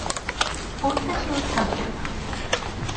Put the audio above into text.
ওর তো কেউ থাকবে না।